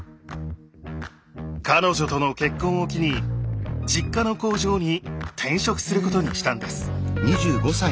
彼女との結婚を機に実家の工場に転職することにしたんです。